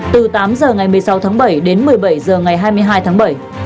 từ tám h ngày một mươi sáu tháng bảy đến một mươi bảy h ngày hai mươi hai tháng bảy